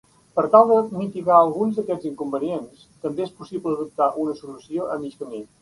Per tal de mitigar alguns d'aquests inconvenients, també és possible adoptar una solució a mig camí.